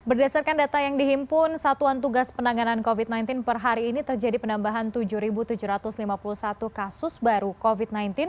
berdasarkan data yang dihimpun satuan tugas penanganan covid sembilan belas per hari ini terjadi penambahan tujuh tujuh ratus lima puluh satu kasus baru covid sembilan belas